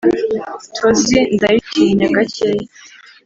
Tozi ndaytinya gakeya